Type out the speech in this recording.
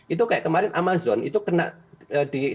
itu kayak kemarin amazon itu kena di